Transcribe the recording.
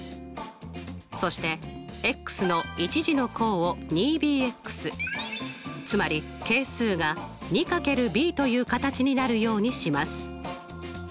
そしての１次の項を２ｂつまり係数が２×ｂという形になるようにします。